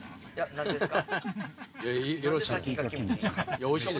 何でですか？